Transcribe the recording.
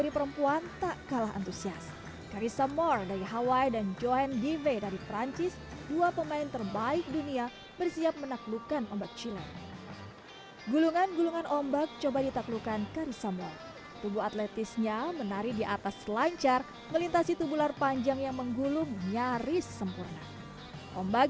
itu adalah perang yang lebih besar jadi kita bisa memperkuat diri kita sendiri dan itu sangat istimewa